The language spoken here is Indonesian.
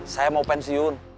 saya mau pensiun